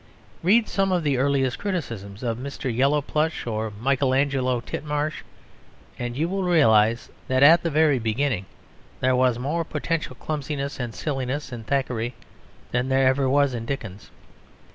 Read some of the earliest criticisms of Mr. Yellowplush or Michael Angelo Titmarsh and you will realise that at the very beginning there was more potential clumsiness and silliness in Thackeray than there ever was in Dickens.